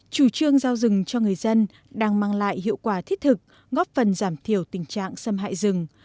chủ trương giao rừng cho người dân đang mang lại hiệu quả thiết thực góp phần giảm thiểu tình trạng xâm hại rừng